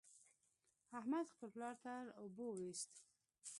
احمد خپل پلار تر اوبو وېست.